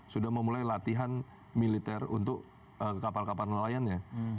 sudah memulai latihan militer untuk kapal kapal nelayan ya